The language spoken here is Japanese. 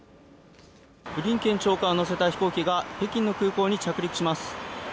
ブリンケン長官を乗せた飛行機が北京の空港に着陸します。